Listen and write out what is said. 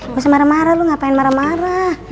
gak usah marah marah lo ngapain marah marah